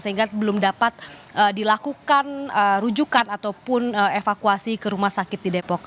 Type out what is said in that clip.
sehingga belum dapat dilakukan rujukan ataupun evakuasi ke rumah sakit di depok